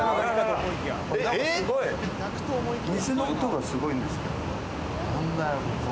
水の音がすごいんですけど。